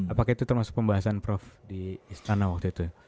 apakah itu termasuk pembahasan prof di istana waktu itu